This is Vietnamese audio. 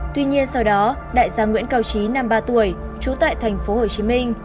tuy nhiên sau đó đại gia nguyễn cao trí năm mươi ba tuổi trú tại thành phố hồ chí minh